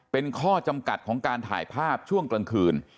เป็นข้อจำกัดของการถ่ายภาพช่วงกลางคืน